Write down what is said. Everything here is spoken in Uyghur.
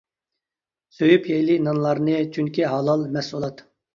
سۆيۈپ يەيلى نانلارنى، چۈنكى ھالال مەھسۇلات.